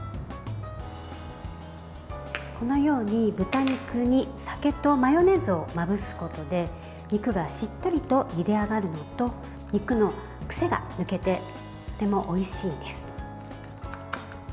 このように豚肉に酒とマヨネーズをまぶすことで肉がしっとりとゆで上がるのと肉の癖が抜けてとてもおいしいです。